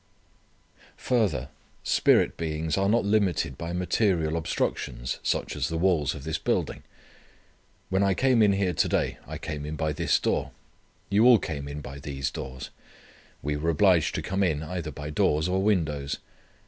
Further, spirit beings are not limited by material obstructions such as the walls of this building. When I came in here to day I came in by this door. You all came in by these doors. We were obliged to come in either by doors or windows.